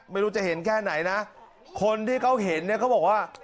ไม่รู้จะเห็นแค่ไหนนะคนที่เขาเห็นเนี่ยเขาบอกว่า